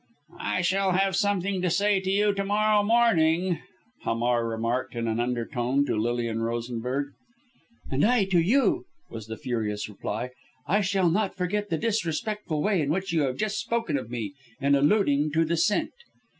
"I shall have something to say to you to morrow morning," Hamar remarked, in an undertone, to Lilian Rosenberg. "And I to you," was the furious reply. "I shall not forget the disrespectful way in which you have just spoken of me, in alluding to the scent."